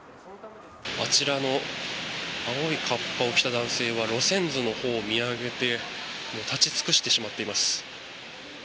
あちらの青いかっぱを着た男性は路線図のほうを見上げて立ち尽くしてしまっています。